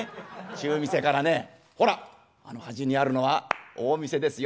中見世からねほらあの端にあるのは大見世ですよ。